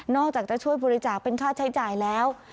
อกจากจะช่วยบริจาคเป็นค่าใช้จ่ายแล้ว